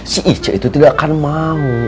si ice itu tidak akan mau